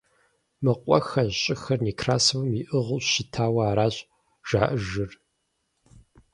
Мы къуэхэр, щӀыхэр Некрасовым иӀыгъыу щытауэ аращ жаӀэжыр.